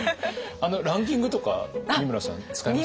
ランキングとか美村さん使います？